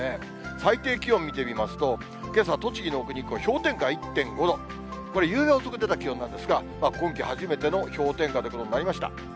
最低気温見てみますと、けさ、栃木の奥日光、氷点下１．５度、これ、ゆうべ遅く出た気温なんですが、今季初めての氷点下ということになりました。